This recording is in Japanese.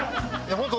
本当。